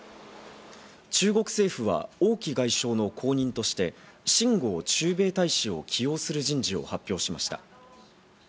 中国政府はオウ・キ外相の後任として、シン・ゴウ駐米大使を起用する人事を発表しました。